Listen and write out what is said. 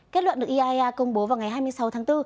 kết luận được iaea công bố vào ngày hai mươi sáu tháng bốn